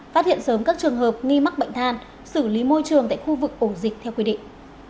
phát hiện sớm các trường hợp nghi mắc bệnh than xử lý môi trường tại khu vực ổ dịch theo quy định